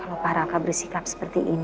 hal itu pada tokohnya perkenalan